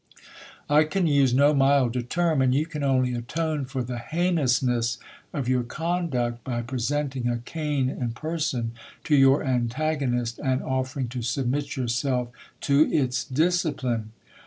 I can use no milder term ; and you can only atone for the heinous ness of your conduct, by presenting a cane in person to your antagonist, and offering to submit yourself to its discipline.